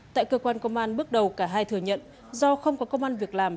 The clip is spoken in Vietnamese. tại cơ quan công an bước đầu cả hai thừa nhận do không có công an việc làm